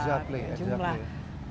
jumlah patroli yang lebih kuat